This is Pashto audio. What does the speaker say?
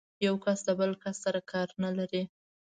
یو کس د بل کس سره کار نه لري.